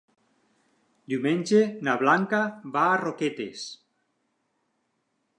Diumenge na Blanca va a Roquetes.